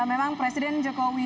ya memang presiden jokowi sudah tiba